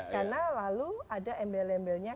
karena lalu ada embel embelnya